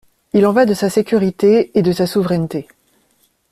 Il en va de sa sécurité et de sa souveraineté.